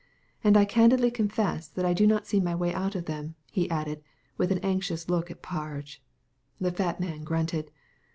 "And I candidly confess that I do not see my way out of them," he added, with an anxious look at Parge. The fat man grunted.